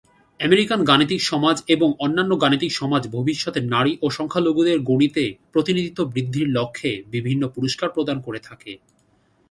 American গাণিতিক সমাজ এবং অন্যান্য গাণিতিক সমাজ ভবিষ্যতে নারী ও সংখ্যালঘুদের গণিতে প্রতিনিধিত্ব বৃদ্ধির লক্ষ্যে বিভিন্ন পুরস্কার প্রদান করে থাকে।